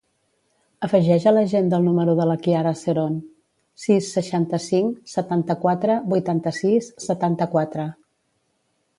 Afegeix a l'agenda el número de la Kiara Seron: sis, seixanta-cinc, setanta-quatre, vuitanta-sis, setanta-quatre.